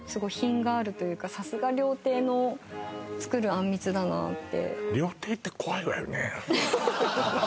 さすが料亭の作るあんみつだなって。